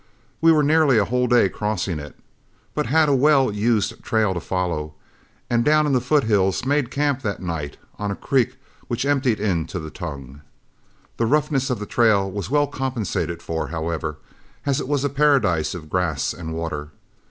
We were nearly a whole day crossing it, but had a well used trail to follow, and down in the foothills made camp that night on a creek which emptied into the Tongue. The roughness of the trail was well compensated for, however, as it was a paradise of grass and water.